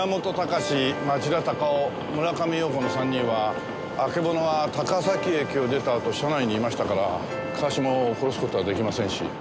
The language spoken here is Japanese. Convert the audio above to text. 町田隆夫村上陽子の３人はあけぼのが高崎駅を出たあと車内にいましたから川島を殺す事は出来ませんし。